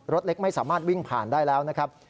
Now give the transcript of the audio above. รถเล็กไม่สามารถวิ่งผ่านได้แล้วนะครับ